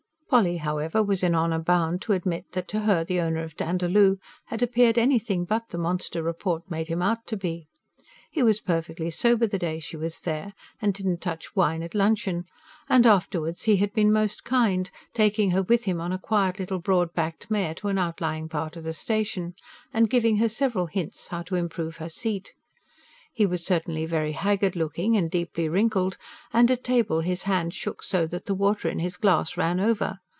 Polly, however, was in honour bound to admit that to her the owner of Dandaloo had appeared anything but the monster report made him out to be. He was perfectly sober the day she was there, and did not touch wine at luncheon; and afterwards he had been most kind, taking her with him on a quiet little broad backed mare to an outlying part of the station, and giving her several hints how to improve her seat. He was certainly very haggard looking, and deeply wrinkled, and at table his hand shook so that the water in his glass ran over.